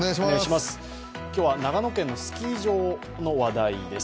今日は長野県のスキー場の話題です。